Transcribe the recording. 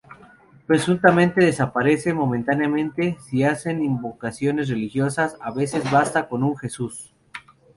Presuntamente, desaparece momentáneamente si se hacen invocaciones religiosas, a veces basta con un: "¡Jesús!